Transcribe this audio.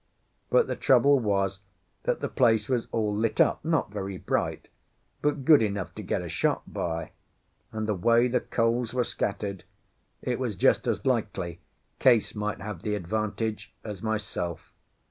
But the trouble was that the place was all lit up not very bright, but good enough to get a shot by; and the way the coals were scattered, it was just as likely Case might have the advantage as myself.